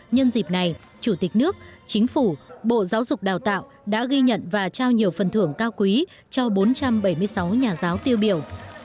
nhân dịp này chủ tịch nước chính phủ bộ giáo dục đào tạo đã ghi nhận và trao nhiều phần thưởng cao quý cho bốn trăm bảy mươi sáu nhà giáo tiêu biểu